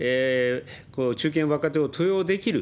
中堅、若手を登用できる。